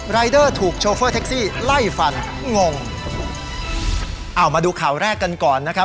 รายเดอร์ถูกโชเฟอร์แท็กซี่ไล่ฟันงงเอามาดูข่าวแรกกันก่อนนะครับ